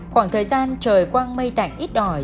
khoảng thời gian trời quang mây tạnh ít đổi